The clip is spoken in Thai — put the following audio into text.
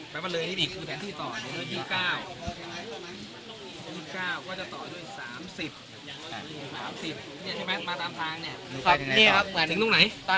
แปะไว้เลยโดยแผนที่ต่อมาดูคะว